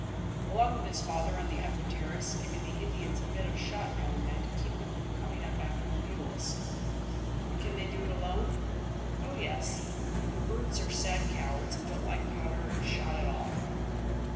"Along with his father on the upper terrace, giving the Indians a bit of a shot now and then to keep them from coming up after the mules." "But can they do it alone?" "Oh yes; the brutes are sad cowards and don't like powder and shot at all."